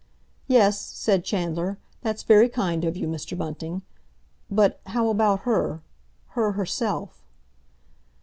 "Yes," said Chandler, "that's very kind of you, Mr. Bunting. But how about her—her herself?"